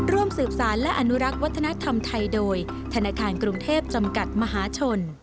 ร่วมสืบสารและอนุรักษ์วัฒนธรรมไทยโดยธนาคารกรุงเทพจำกัดมหาชน